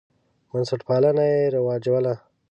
بنسټپالنه یې رواجوله.